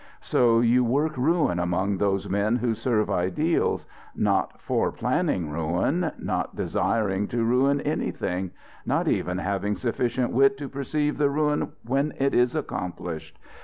So you work ruin among those men who serve ideals, not foreplanning ruin, not desiring to ruin anything, not even having sufficient wit to perceive the ruin when it is accomplished.